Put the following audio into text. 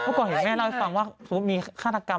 ก่อนเห็นแม่เล่าให้ฟังว่าสมมุติมีฆาตกรรม